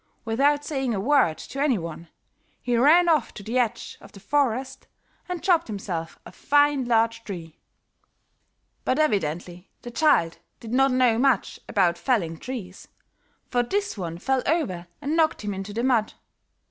Without saying a word to any one, he ran off to the edge of the forest and chopped himself a fine large tree. But evidently the child did not know much about felling trees, for this one fell over and knocked him into the mud.